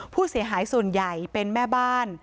ผู้เสียหายส่วนใหญ่เป็นแม่บ้าน